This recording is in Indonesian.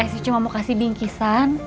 saya cuma mau kasih bingkisan